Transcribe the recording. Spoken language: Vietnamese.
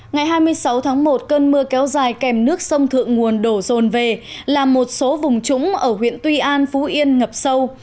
ngày hai mươi sáu tháng một cơn mưa kéo dài kèm nước sông thượng nguồn đổ rồn về làm một số vùng trũng ở huyện tuy an phú yên ngập sâu